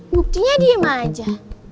buktinya diem aja